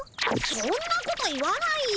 そんなこと言わないよ。